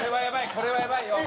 これはやばいよ！